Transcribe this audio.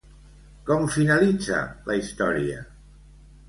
Com finalitza la història?